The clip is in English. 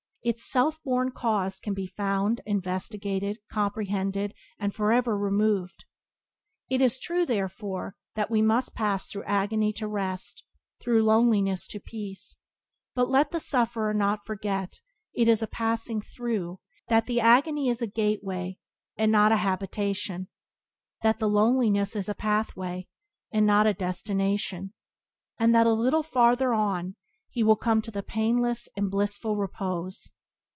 Its self born cause can be found, investigated, comprehended, and forever removed. It is true therefore, that we must pass through agony to rest, through loneliness to peace; but let the sufferer not forget that it is a "passing through;" that the agony is a gateway and not a habitation; that the loneliness is a pathway and not a destination; and that a little farther on he will come to the painless and blissful repose.